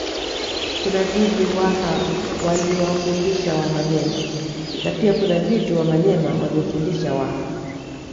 Kuna vitu Waha waliwafundisha Wamanyema na pia kuna vitu Wamanyema waliwafundisha Waha